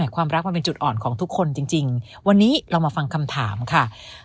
ความรักมันเป็นจุดอ่อนของทุกคนจริงวันนี้เรามาฟังคำถามค่ะ